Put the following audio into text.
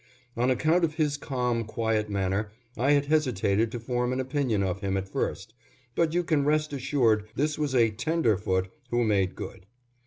On account of his calm, quiet manner I had hesitated to form an opinion of him at first, but you can rest assured this was a "Tenderfoot" who made good.